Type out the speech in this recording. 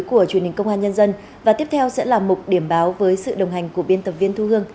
của truyền hình công an nhân dân và tiếp theo sẽ là mục điểm báo với sự đồng hành của biên tập viên thu hương